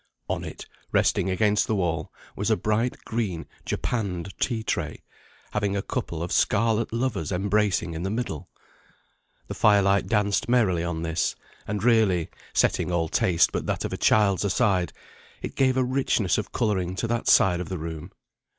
On it, resting against the wall, was a bright green japanned tea tray, having a couple of scarlet lovers embracing in the middle. The fire light danced merrily on this, and really (setting all taste but that of a child's aside) it gave a richness of colouring to that side of the room.